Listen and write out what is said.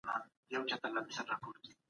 د هغوی تجربې ارزښت لري.